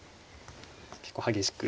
結構激しく。